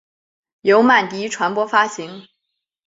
由曼迪传播发行。